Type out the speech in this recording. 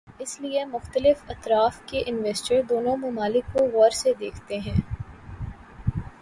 اس لیے مختلف اطراف کے انویسٹر دونوں ممالک کو غور سے دیکھتے ہیں۔